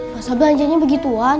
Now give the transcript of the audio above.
masa belanjanya begituan